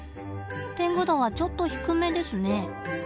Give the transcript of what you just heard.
テング度はちょっと低めですね。